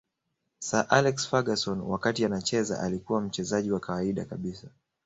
Sir Alex Ferguson wakati anacheza alikuwa mchezaji wa kawaida kabisa